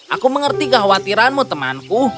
aku mengerti kekhawatiranmu temanku